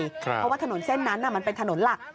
เพราะว่าถนนเส้นนั้นมันเป็นถนนหลัก